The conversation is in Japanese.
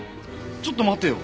ちょっと待ってよ。